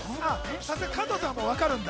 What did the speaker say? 加藤さんはもう分かるんだ？